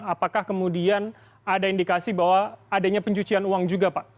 apakah kemudian ada indikasi bahwa adanya pencucian uang juga pak